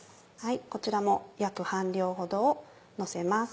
こちらも約半量ほどをのせます。